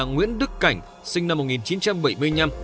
nguyễn đức cảnh sinh năm một nghìn chín trăm bảy mươi năm